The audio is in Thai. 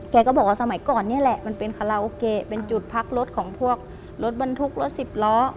แกก็บอกว่าสมัยก่อนนี่แหละมันเป็นคาราโอเกะเป็นจุดพักรถของพวกรถบรรทุกรถสิบล้อ